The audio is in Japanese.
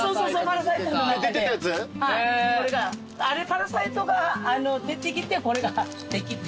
『パラサイト』が出てきてこれができて。